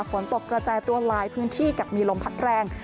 ฝนตกกระจายตัวหลายพื้นที่กับมีลมพัดแรง